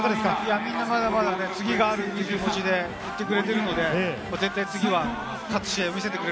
まだまだ次があるっていう気持ちで言ってくれているので、絶対に次は勝つ試合を見せてくれ